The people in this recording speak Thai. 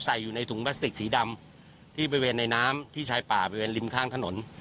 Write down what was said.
ใส่อยู่ในถุงพลาสติกสีดำที่บริเวณในน้ำที่ชายป่าบริเวณริมข้างถนน